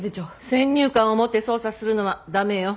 先入観を持って捜査するのは駄目よ。